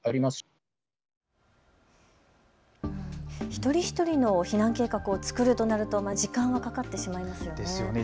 一人一人の避難計画を作るとなると時間がかかってしまいますね。